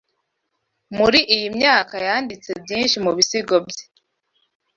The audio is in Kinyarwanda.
Muri iyi myaka yanditse byinshi mu bisigo bye